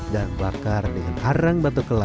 dan bakar dengan arang batuk kelapa